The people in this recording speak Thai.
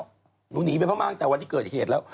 หนีไปเพราะมากแล้วหนีไปเพราะมากแต่วันที่เกิดเหตุแล้ว